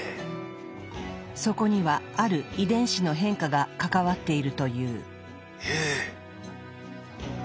そこにはある遺伝子の変化が関わっているという。